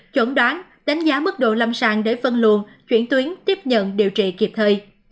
chuẩn đoán đánh giá mức độ lâm sàng để phân luồng chuyển tuyến tiếp nhận điều trị kịp thời